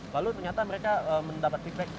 lalu ternyata mereka mendapat feedback